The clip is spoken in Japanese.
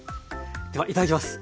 ではいただきます。